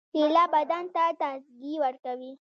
کېله بدن ته تازګي ورکوي.